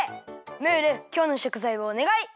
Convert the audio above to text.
ムールきょうのしょくざいをおねがい！